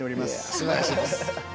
すばらしいです。